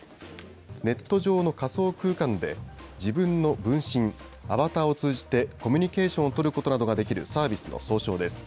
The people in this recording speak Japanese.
ネット上の仮想空間で自分の分身・アバターを通じてコミュニケーションを取ることなどができるサービスの総称です。